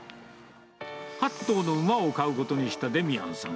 ８頭の馬を飼うことにしたデミアンさん。